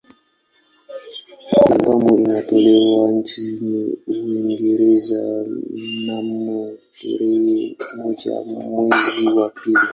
Albamu ilitolewa nchini Uingereza mnamo tarehe moja mwezi wa pili